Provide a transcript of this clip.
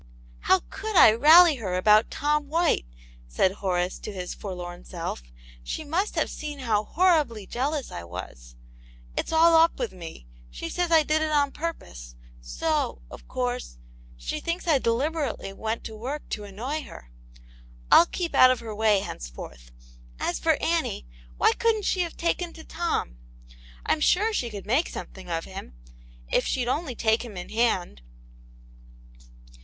" How could I rally her about Tom White !" said Horace to his forlorn self. "She must have seen how horribly jealous I was. It's all up with me ; she says I did it on purpose, so, of course, she thinks I deliberately went to work to annoy her. V\\ keep out of her way henceforth ; as for Annie, why couldn't she have taken to Tom } Vva sure she could make something of him, if she'd only take him in hand.